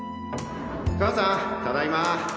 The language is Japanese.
母さんただいま。